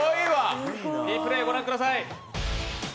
リプレーご覧ください。